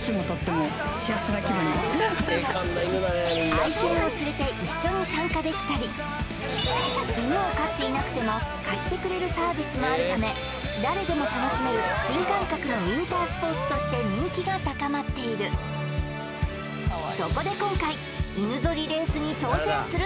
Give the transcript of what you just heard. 愛犬を連れて一緒に参加できたり犬を飼っていなくても貸してくれるサービスもあるため誰でも楽しめる新感覚のウインタースポーツとして人気が高まっているそこで今回アーン！